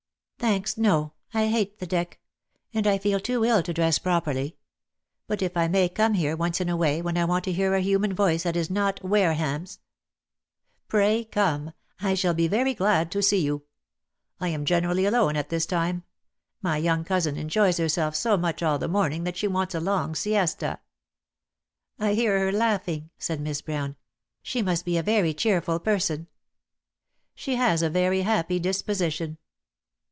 "Thanks, no. I hate the deck. And I feel too ill to dress properly. But if I may come here, once in a way, when I want to hear a human voice that is not Wareham's " DEAD LOVE HAS CHAINS. t^ "Pray, come. I shall be very glad to see you. I am generally alone at this time. My young cousin enjoys herself so much all the morning that she wants a long siesta." ..•' "I hear her laughing," said Miss Brown. "She must be a very cheerful person." "She has a very happy disposition."